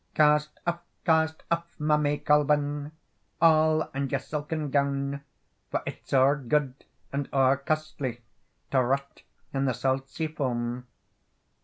"Cast off, cast off, my May Colven, All and your silken gown, For it's oer good and oer costly To rot in the salt sea foam.